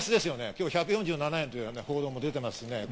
今日、１４７円という報道も出てました。